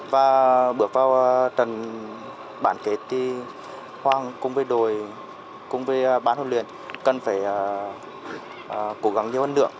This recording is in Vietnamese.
và bước vào trận bản kết thì hoàng cùng với đội cùng với bán hợp luyện cần phải cố gắng nhiều hơn nữa